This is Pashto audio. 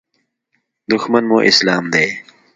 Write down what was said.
دښمن مو اسلام دی.